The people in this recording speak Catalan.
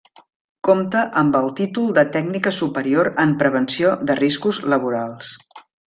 Compta amb el títol de Tècnica Superior en Prevenció de Riscos Laborals.